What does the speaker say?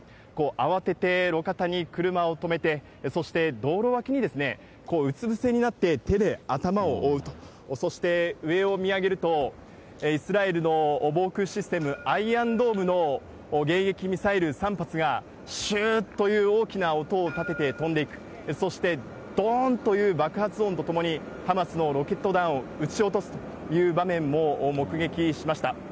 慌てて路肩に車を止めて、そして道路脇にうつ伏せになって、手で頭を覆うと、そして上を見上げると、イスラエルの防空システム、アイアンドームの迎撃ミサイル３発が、しゅーっという大きな音を立てて飛んでいく、そして、どーんという爆発音とともにハマスのロケット弾を撃ち落とすという場面も目撃しました。